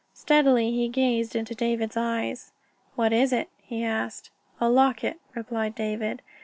Steadily he gazed into David's eyes. "What is it?" he asked. "A locket," replied David.